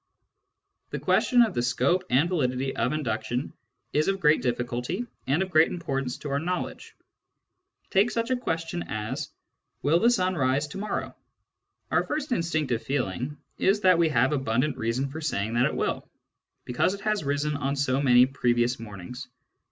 The question of the scope and validity of induction is of great difficulty, and of great importance to our knowledge. Take such a question as, " Will the sun rise to morrow ?" Our first instinctive feeling is that we have abundant reason for saying that it will, because it has risen on so many previous mornings.